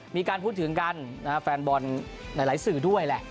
มีการพูดถึงกันแฟนบอลหลายสื่อด้วยแหละ